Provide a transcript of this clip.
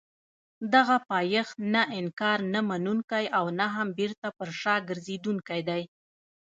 دغه پایښت نه انکار نه منونکی او نه هم بېرته پر شا ګرځېدونکی دی.